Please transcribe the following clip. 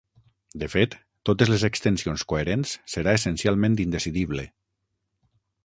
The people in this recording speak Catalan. De fet, totes les extensions coherents serà essencialment indecidible.